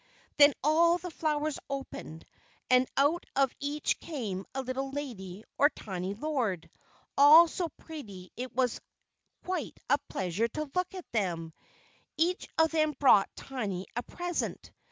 Then all the flowers opened, and out of each came a little lady or a tiny lord, all so pretty it was quite a pleasure to look at them. Each of them brought Tiny a present.